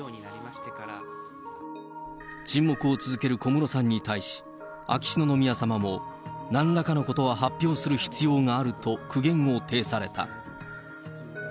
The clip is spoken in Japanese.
沈黙を続ける小室さんに対し、秋篠宮さまもなんらかのことは発表する必要があると苦言を呈された。